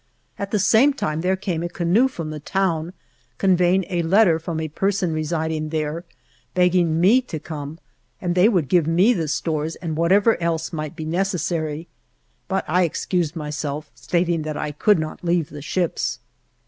At the same time there came a canoe from the town convey ing a letter from a person residing there, begging me to come, and they would give me the stores and whatever else might be 3 THE JOURNEY OF necessary. But I excused myself, stating that I could not leave the ships.